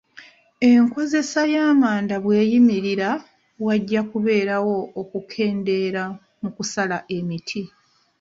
Enkozesa y'amanda bweyimirira, wajja kubeerawo okukendeera mu kusala emiti,